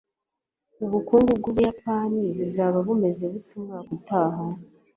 Ubukungu bw'Ubuyapani buzaba bumeze bute umwaka utaha?